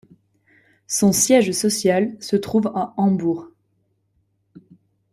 Son siège social se trouve à Hambourg.